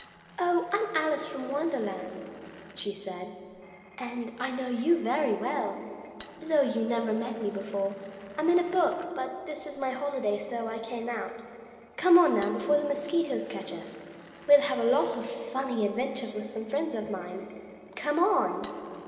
"Oh! I'm Alice from Wonderland," she said, "and I know you very well, though you never met me before. I'm in a book, but this is my holiday, so I came out. Come on, now, before the mosquitoes catch us! We'll have a lot of funny adventures with some friends of mine. Come on!"